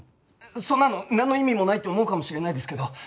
そんなのなんの意味もないって思うかもしれないですけど